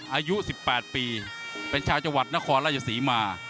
อายุสิบแปดปีเป็นชาวจัวรัฐนครรภ์วสีม่า